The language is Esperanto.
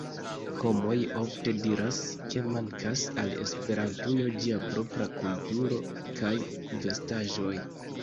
Homoj ofte diras, ke mankas al Esperantujo ĝia propra kulturo kaj vestaĵoj